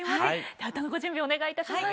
では歌のご準備お願いいたします。